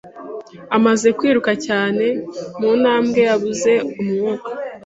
Amaze kwiruka cyane mu ntambwe, yabuze umwuka.